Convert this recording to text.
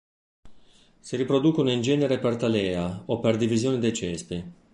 Si riproducono in genere per talea o per divisione dei cespi.